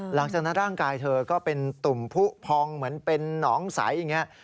หลังจากนั้นร่างกายเธอก็เป็นตุ่มผู้พองเหมือนเป็นหนองใสอย่างนี้